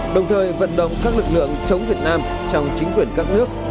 đồng thời vận động các lực lượng chống việt nam trong chính quyền các nước